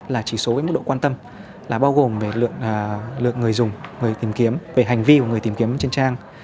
là chỉ số với mức độ quan tâm là bao gồm về lượt người dùng người tìm kiếm về hành vi của người tìm kiếm trên trang